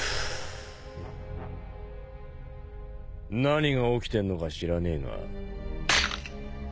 何が起きてんのか知らねえが。